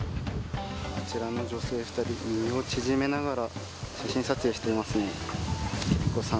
あちらの女性２人身を縮めながら写真撮影していますね。